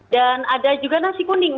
dan ada juga nasi kuning